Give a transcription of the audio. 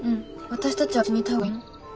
私たちはうちにいた方がいいの？